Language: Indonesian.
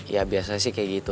ya biasanya sih kayak gitu